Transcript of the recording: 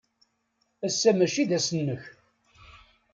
Ass-a maci d ass-nnek.